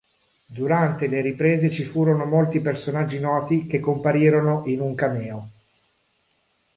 Durante le riprese ci furono molti personaggi noti che comparirono in un cameo.